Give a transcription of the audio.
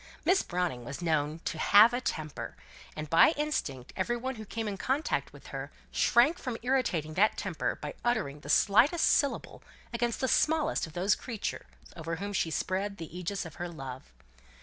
Miss Browning was known to "have a temper," and by instinct every one who came in contact with her shrank from irritating that temper by uttering the slightest syllable against the smallest of those creatures over whom she spread the żgis of her love.